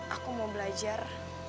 aku mau belajar